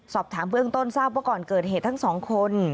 สอบถามเบื้องต้นทราบว่าก่อนเกิดเหตุทั้งสองคน